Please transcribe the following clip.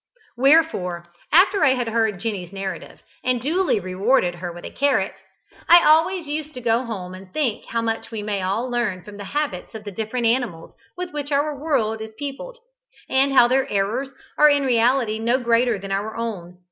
Wherefore, after I had heard Jenny's narrative, and duly rewarded her with a carrot, I always used to go home and think how much we may all learn from the habits of the different animals with which our world is peopled, and how their errors are in reality no greater than our own.